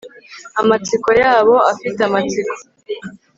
Amatsiko yabo afite amatsiko